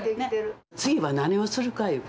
次は何をするかいう。